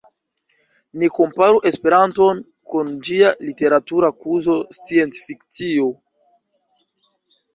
Ni komparu Esperanton kun ĝia literatura kuzo sciencfikcio.